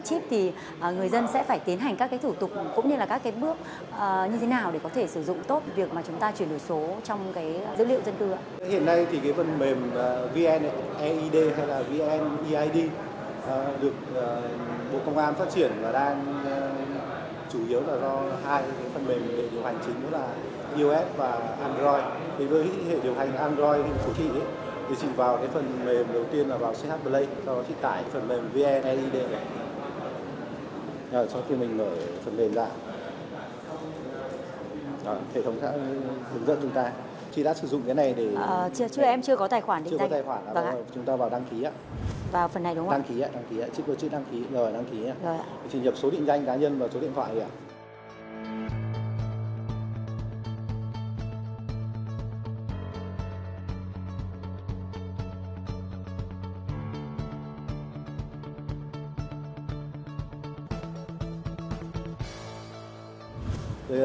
chị nhập số định danh cá nhân vào số điện thoại